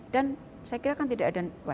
dan saya kira kan tidak ada